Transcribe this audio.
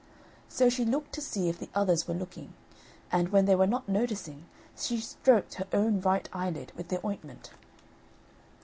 So she looked to see if the others were looking, and, when they were not noticing she stroked her own right eyelid with the ointment.